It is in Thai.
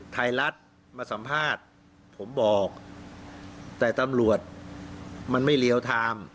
ไทยรัฐมาสัมภาษณ์ผมบอกแต่ตำรวจมันไม่เรียวไทม์